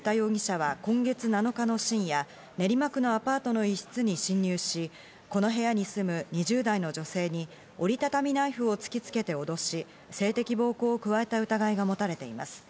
捜査関係者によりますと新田容疑者は今月７日の深夜、練馬区のアパートの一室に侵入し、この部屋に住む２０代の女性に折り畳みナイフを突きつけて脅し、性的暴行を加えた疑いが持たれています。